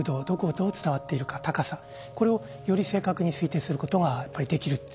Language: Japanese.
どこをどう伝わっているか高さこれをより正確に推定することができる。